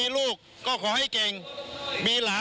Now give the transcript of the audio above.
ชูเว็ดตีแสดหน้า